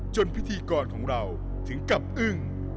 พิธีกรของเราถึงกับอึ้ง